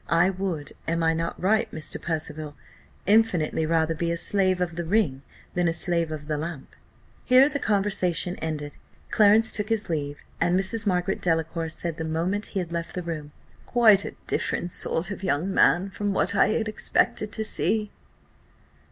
I would (am I not right, Mr. Percival?) infinitely rather be a slave of the ring than a slave of the lamp." Here the conversation ended; Clarence took his leave, and Mrs. Margaret Delacour said, the moment he had left the room, "Quite a different sort of young man from what I had expected to see!"